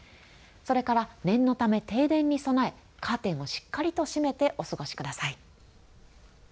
それから念のため停電に備えカーテンもしっかりと閉めてお過ごしください。